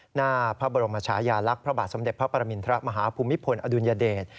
หน้าพระบรมชายาลักษณ์พระบาทสมเด็จพระปรมินทรมาฮภูมิพลอดุลยเดช